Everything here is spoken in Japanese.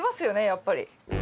やっぱり。